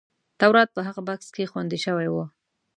تورات په هغه بکس کې خوندي شوی و.